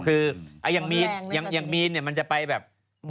คืออย่างมีนเนี่ยมันจะไปแบบ